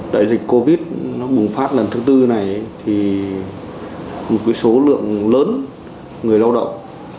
đại dịch covid nó bùng phát lần thứ tư này thì một số lượng lớn người lao động